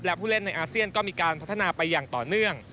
และผู้เล่นในอาเซียนก็มีการพัฒนาไปอย่างต่อเนื่อง